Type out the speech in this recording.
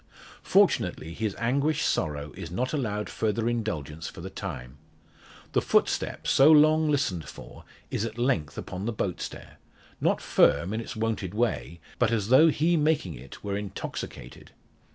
Fortunately his anguished sorrow is not allowed further indulgence for the time. The footstep, so long listened for, is at length upon the boat stair; not firm, in its wonted way, but as though he making it were intoxicated!